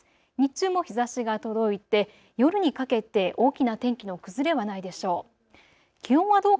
日中も日ざしが届いて夜にかけて大きな天気の崩れはないでしょう。